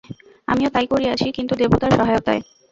আমিও তাই করিয়াছি, কিন্তু দেবতার সহায়তায়।